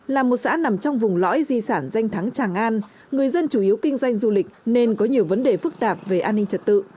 là một xã nằm trong vùng lõi di sản danh thắng tràng an người dân chủ yếu kinh doanh du lịch nên có nhiều vấn đề phức tạp về an ninh trật tự